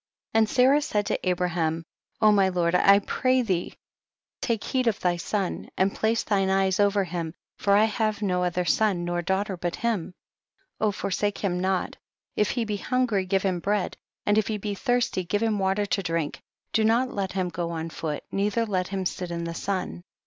10. And Sarah said to Abraham, my lord, I pray thee take heed of thy son, and place thine eyes over him, for I have no other son nor daughter but him. IL O forsake him not. If he be hungry give him bread, and if he be thirsty give him water to drink ; do not let him go on foot, neither let him sit in the sun.